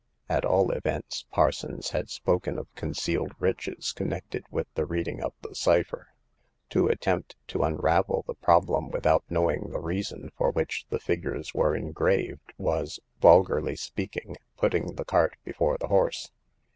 At all events, Parsons had spoken of concealed riches connected with the reading of the cypher. To attempt to unravel the problem without knowing the reason for which the figures were engraved was, vulgarly speak ing, putting the cart before the horse.